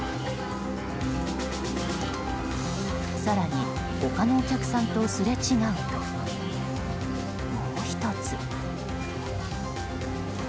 更に、他のお客さんとすれ違うともう１つ。